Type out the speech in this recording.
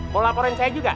mau laporin saya juga